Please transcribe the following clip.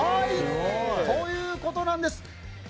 ということなんです。